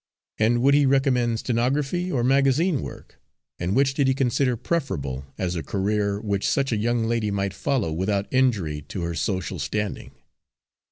And would he recommend stenography or magazine work, and which did he consider preferable, as a career which such a young lady might follow without injury to her social standing?